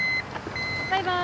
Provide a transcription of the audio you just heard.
バイバイ。